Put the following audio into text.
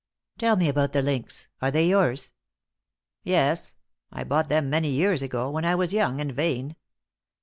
"Tell me about the links. Are they yours?" "Yes; I bought them many years ago, when I was young and vain.